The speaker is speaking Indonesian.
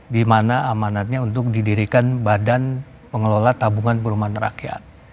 di mana amanatnya untuk didirikan badan pengelola tabungan perumahan rakyat